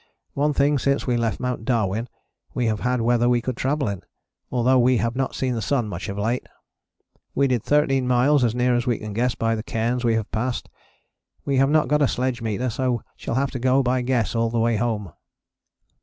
One thing since we left Mt. Darwin, we have had weather we could travel in, although we have not seen the sun much of late. We did 13 miles as near as we can guess by the cairns we have passed. We have not got a sledge meter so shall have to go by guess all the way home.